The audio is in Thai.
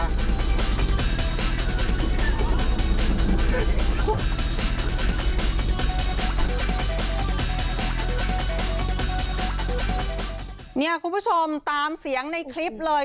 คุณผู้ชมตามเสียงในคลิปเลย